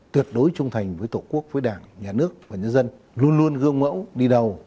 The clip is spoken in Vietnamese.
tuyệt đối trung thành với tổ quốc với đảng nhà nước và nhân dân luôn luôn gương mẫu đi đầu